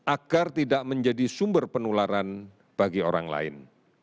agar tidak menjadi sumber penularan bagi orang lain